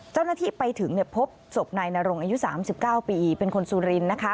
เจ้าหน้าที่ไปถึงพบศพนายนรงอายุ๓๙ปีเป็นคนสุรินทร์นะคะ